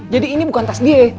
jadi ini bukan tas dia